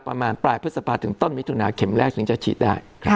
ประมาณปลายพฤษภาถึงต้นมิถุนาเข็มแรกถึงจะฉีดได้